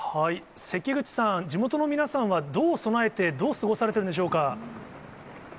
関口さん、地元の皆さんはどう備えて、どう過ごされているんでしょうか。